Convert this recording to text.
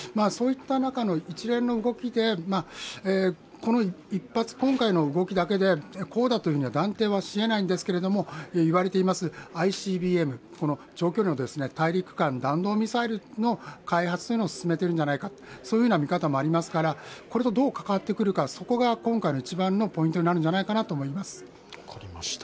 そういった中の一連の動きで、今回の動きだけで、こうだというふうに断定はしえないんですけれども、いわれているＩＣＢＭ、長距離の大陸間弾道ミサイルの開発を進めてるんじゃないかという見方もありますから、これとどう関わってくるか、そこが今回の一番のポイントになるんじゃないかなと思います。